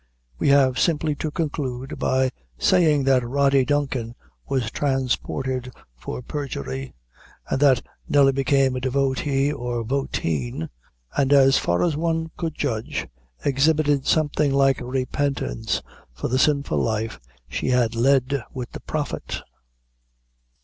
We have simply to conclude by saying that Rody Duncan was transported for perjury; and that Nelly became a devotee, or voteen, and, as far as one could judge, exhibited something like repentance for the sinful life she had led with the Prophet.